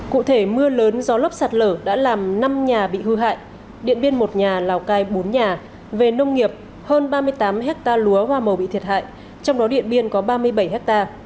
cụ thể mưa lớn gió lốc sạt lở đã làm năm nhà bị hư hại điện biên một nhà lào cai bốn nhà về nông nghiệp hơn ba mươi tám hectare lúa hoa màu bị thiệt hại trong đó điện biên có ba mươi bảy ha